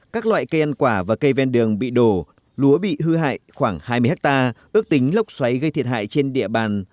các loại cây ăn quả và cây ven đường bị đổ lúa bị hư hại khoảng hai mươi ha ước tính lốc xoáy gây thiệt hại trên địa bàn